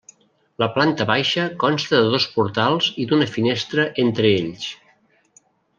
La planta baixa consta de dos portals i d'una finestra entre ells.